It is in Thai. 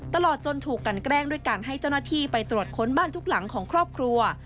ตลอดจนถูกกันแกล้งด้วยการให้เจ้าหน้าที่ไปตรวจค้นบ้านทุกหลังของครอบครัว